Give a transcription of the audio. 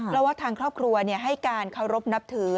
เพราะว่าทางครอบครัวให้การเคารพนับถือ